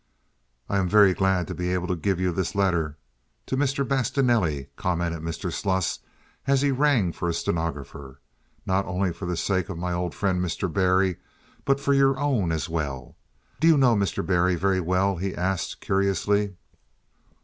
"I am very glad to be able to give you this letter to Mr. Bastienelli," commented Mr. Sluss, as he rang for a stenographer, "not only for the sake of my old friend Mr. Barry, but for your own as well. Do you know Mr. Barry very well?" he asked, curiously.